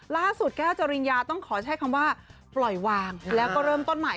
แก้วจริญญาต้องขอใช้คำว่าปล่อยวางแล้วก็เริ่มต้นใหม่